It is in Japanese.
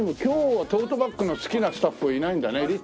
今日はトートバッグの好きなスタッフいないんだね。